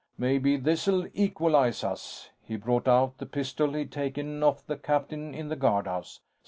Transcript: "Maybe this'll equalize us." He brought out the pistol he'd taken off the captain in the guardhouse.